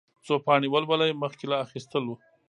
څو پاڼې ولولئ مخکې له اخيستلو.